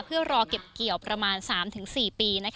เพื่อรอเก็บเกี่ยวประมาณ๓๔ปี